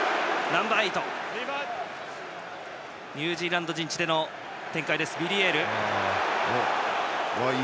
ニュージーランド陣地での展開です。